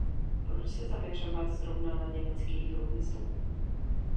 Proč se zaměřovat zrovna na německý průmysl?